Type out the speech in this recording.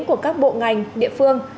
của các bộ ngành địa phương